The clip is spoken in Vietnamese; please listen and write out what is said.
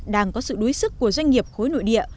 đang có sự đối sức của doanh nghiệp khối nội địa